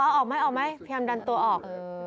อ๋อออกไหมพยายามดันตัวออก